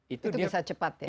itu bisa cepat ya